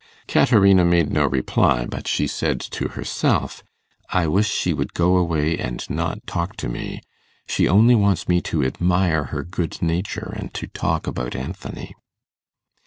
Caterina made no reply; but she said to herself, 'I wish she would go away and not talk to me. She only wants me to admire her good nature, and to talk about Anthony.